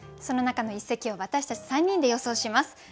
その中の一席を私たち３人で予想します。